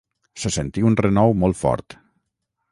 Se sentí un renou molt fort.